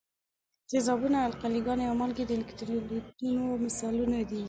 تیزابونه، القلي ګانې او مالګې د الکترولیتونو مثالونه دي.